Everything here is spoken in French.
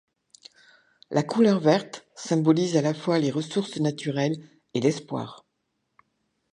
La couleur verte symbolise à la fois les ressources naturelles et l'espoir.